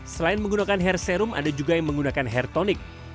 selain menggunakan hair serum ada juga yang menggunakan hair tonic